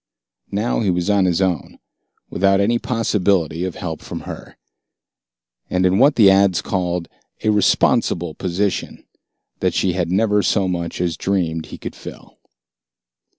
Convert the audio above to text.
Now he was on his own, without any possibility of help from her. And in what the ads called a "responsible position" that she had never so much as dreamed he could fill.